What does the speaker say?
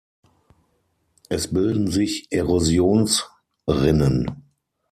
Es bilden sich Erosionsrinnen.